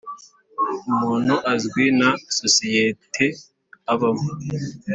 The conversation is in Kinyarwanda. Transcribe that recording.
umuntu azwi na sosiyete abamo